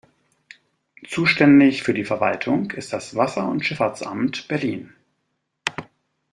Zuständig für die Verwaltung ist das Wasser- und Schifffahrtsamt Berlin.